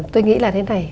tôi nghĩ là thế này